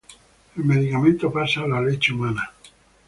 El medicamento pasa a la leche humana.